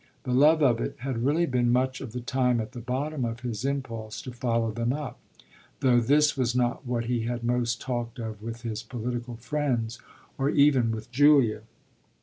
The love of it had really been much of the time at the bottom of his impulse to follow them up; though this was not what he had most talked of with his political friends or even with Julia.